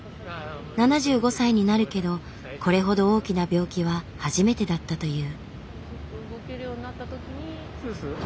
７５歳になるけどこれほど大きな病気は初めてだったという。